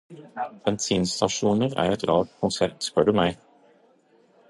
Bensinstasjoner er et rart konsept spør du meg